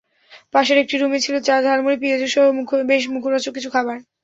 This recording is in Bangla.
পাশের একটি রুমে ছিল চা, ঝালমুড়ি, পিয়াজুসহ বেশ মুখরোচক কিছু খাবার।